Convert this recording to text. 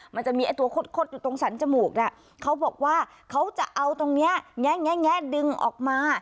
มันจะมีไอ้ตัวคดอยู่ตรงสรรจมูกเขาบอกว่าเขาจะเอาตรงนี้แงะดึงออกมา